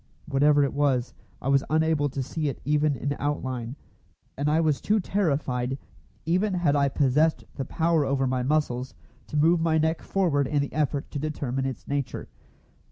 Whatever it was, I was unable to see it even in outline, and I was too terrified, even had I possessed the power over my muscles, to move my neck forward in the effort to determine its nature.